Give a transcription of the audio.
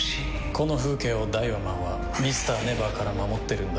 この風景をダイワマンはＭｒ．ＮＥＶＥＲから守ってるんだ。